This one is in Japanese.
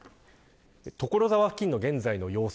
所沢付近の現在の様子。